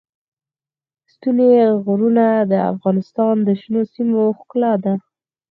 ستوني غرونه د افغانستان د شنو سیمو ښکلا ده.